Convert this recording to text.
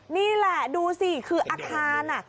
นี่แหละดูสิคืออาคาร